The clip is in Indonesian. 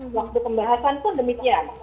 waktu pembahasan pun demikian